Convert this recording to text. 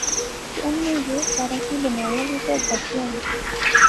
کہ انیں یو سارا کی بنایا وی تہ دسیا وی